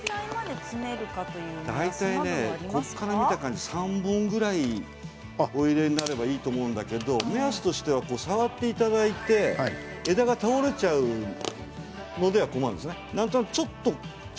大体ここから見た感じ３本くらいお入れになればいいと思うんだけど目安としては触っていただいて枝が倒れちゃうそれでは困るんですね。